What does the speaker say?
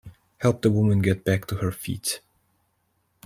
Help the woman get back to her feet.